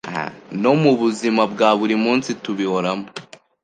no mu buzima bwa buri munsi tubihoramo